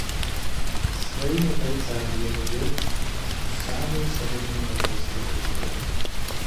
З сваімі байцамі ён убег у самую сярэдзіну нямецкай групы.